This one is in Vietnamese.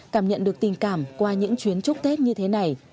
cảm nhận được tình cảm qua những chuyến chúc tết như thế này